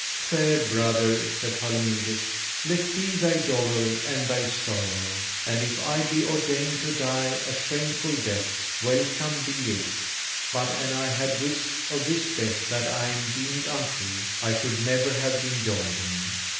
Fair brother, said Palomides, let be thy dolour and thy sorrow. And if I be ordained to die a shameful death, welcome be it; but an I had wist of this death that I am deemed unto, I should never have been yolden.